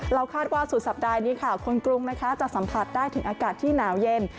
คาดว่าสุดสัปดาห์นี้ค่ะคนกรุงนะคะจะสัมผัสได้ถึงอากาศที่หนาวเย็น